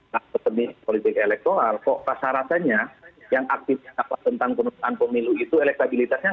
tak seperti politik elektoral kok rasa rasanya yang aktif tentang penumpang pemilu itu elektabilitasnya